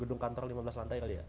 gedung kantor lima belas lantai kali ya